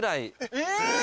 え！